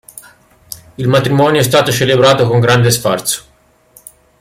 Il matrimonio è stato celebrato con grande sfarzo.